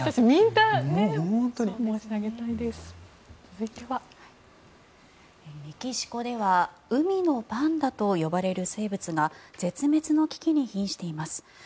メキシコでは海のパンダと呼ばれる生物が絶滅の危機にひんしています。